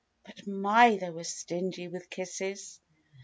But my, they were stingy with kisses.